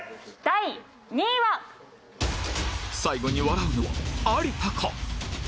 最後に笑うのは有田か？